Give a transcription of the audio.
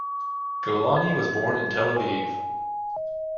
Golani was born in Tel Aviv.